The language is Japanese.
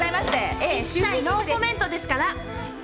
一切ノーコメントですから。